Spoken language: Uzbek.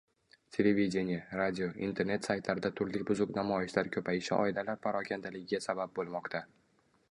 Televideniye, radio, internet saytlarida turli buzuq namoyishlar ko‘payishi oilalar parokandaligiga sabab bo‘lmoqda.